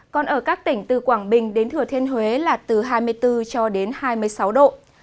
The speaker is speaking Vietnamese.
còn ở các tỉnh từ quảng bình đến thừa thiên huế là từ hai mươi bốn cho đến hai mươi sáu độ